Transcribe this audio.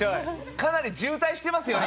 かなり渋滞してますよね